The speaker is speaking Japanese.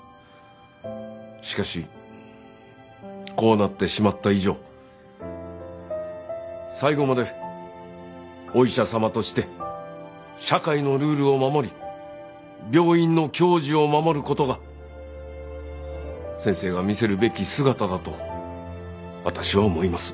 しかしこうなってしまった以上最後までお医者様として社会のルールを守り病院の矜持を守る事が先生が見せるべき姿だと私は思います。